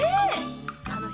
あの人